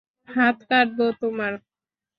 হাত কাটব তোমার।